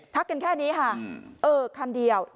กันแค่นี้ค่ะเออคำเดียว